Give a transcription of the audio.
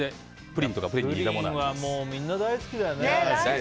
プリンはみんな大好きだよね。